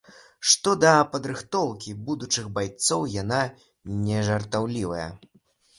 Што да падрыхтоўкі будучых байцоў, яна нежартаўлівая.